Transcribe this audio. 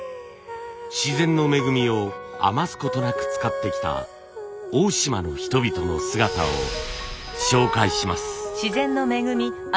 自然の恵みを余すことなく使ってきた大島の人々の姿を紹介します。